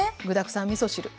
具だくさんみそ汁。